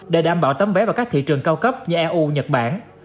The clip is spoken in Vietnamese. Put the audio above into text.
để đảm bảo tấm vé vào các thị trường cao cấp như eu nhật bản